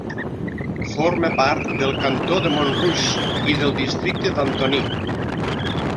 Forma part del cantó de Montrouge i del districte d'Antony.